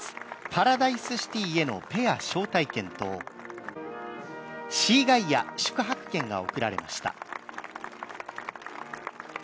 パラダイスシティへのペア招待券とシーガイア宿泊券が贈られました。